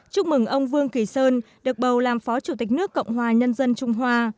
chúc mừng ông vương kỳ sơn được bầu làm phó chủ tịch nước cộng hòa nhân dân trung hoa